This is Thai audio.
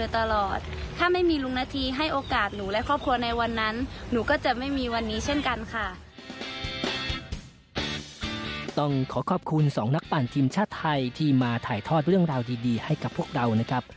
ต้องขอขอบคุณสองนักปั่นทีมชาติไทยที่มาถ่ายทอดเรื่องราวดีให้กับพวกเรานะครับ